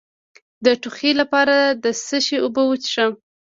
د ټوخي لپاره د څه شي اوبه وڅښم؟